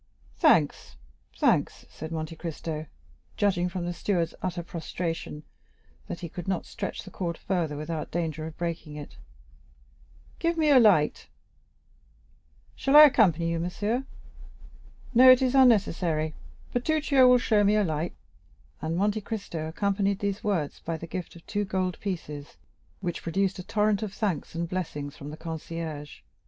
"Thanks, thanks," said Monte Cristo, judging from the steward's utter prostration that he could not stretch the cord further without danger of breaking it. "Give me a light." "Shall I accompany you, monsieur?" "No, it is unnecessary; Bertuccio will show me a light." And Monte Cristo accompanied these words by the gift of two gold pieces, which produced a torrent of thanks and blessings from the concierge.